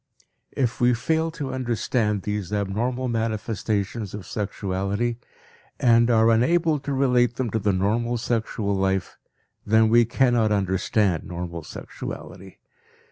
If we fail to understand these abnormal manifestations of sexuality and are unable to relate them to the normal sexual life, then we cannot understand normal sexuality.